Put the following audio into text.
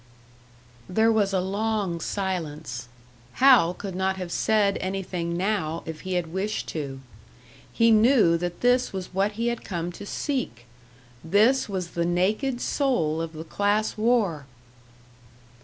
There was a long silence. Hal could not have said anything now, if he had wished to. He knew that this was what he had come to seek! This was the naked soul of the class war!